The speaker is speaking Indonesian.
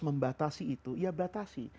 membatasi itu ya batasi